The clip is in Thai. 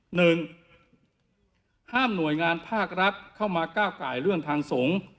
หนึ่งห้ามหน่วยงานภาครัฐเข้ามาก้าวไก่เรื่องทางสงฆ์